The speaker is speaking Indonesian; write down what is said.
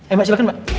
eh mbak silahkan mbak